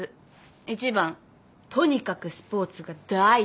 １番とにかくスポーツが大好き。